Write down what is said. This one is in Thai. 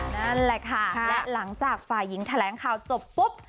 นั่นแหละค่ะและหลังจากฝ่ายหญิงแถลงข่าวจบปุ๊บ